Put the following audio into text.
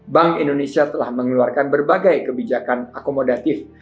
bank indonesia telah mengeluarkan berbagai kebijakan akomodatif